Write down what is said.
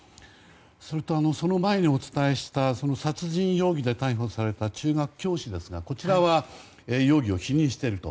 それと、その前にお伝えした殺人容疑で逮捕された中学教師ですがこちらは容疑を否認していると。